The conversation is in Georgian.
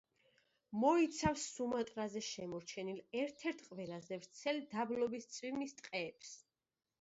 მოიცავს სუმატრაზე შემორჩენილ ერთ–ერთ ყველაზე ვრცელ დაბლობის წვიმის ტყეებს.